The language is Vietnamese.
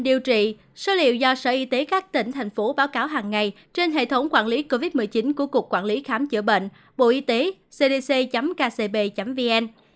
điều trị số liệu do sở y tế các tỉnh thành phố báo cáo hàng ngày trên hệ thống quản lý covid một mươi chín của cục quản lý khám chữa bệnh bộ y tế cdc kcb vn